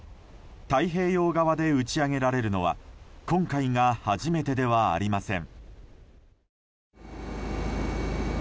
太平洋側で打ち揚げられるのは今回が初めてではありません。